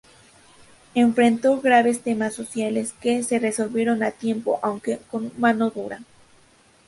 Enfrentó graves temas sociales que se resolvieron a tiempo aunque con mano dura.